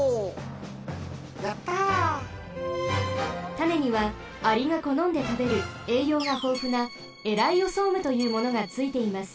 たねにはアリがこのんでたべるえいようがほうふなエライオソームというものがついています。